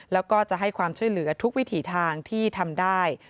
แล้วก็จะให้ความช่วยเหลือทุกวิถีทางที่ทำได้